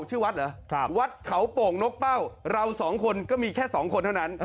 ชื่อวัดเหรอวัดเขาโป่งนกเป้าเราสองคนก็มีแค่สองคนเท่านั้น